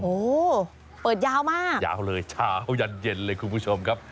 โอ้โหเปิดยาวมากยาวเลยเช้ายันเย็นเลยคุณผู้ชมครับ